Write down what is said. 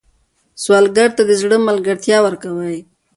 سوالګر ته د زړه ملګرتیا ورکوئ